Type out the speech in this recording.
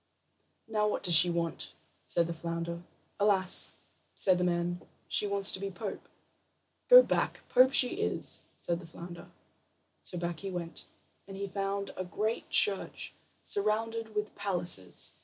"Now, what does she want?" said the flounder. "Alas," said the man, "she wants to be pope." "Go back. Pope she is," said the flounder. So back he went, and he found a great church, surrounded with palaces.